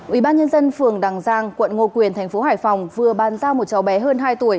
ủy ban nhân dân phường đăng giang quận ngô quyền tp hải phòng vừa ban giao một cháu bé hơn hai tuổi